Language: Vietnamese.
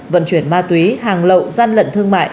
vận chuyển ma túy hàng lậu gian lận thương mại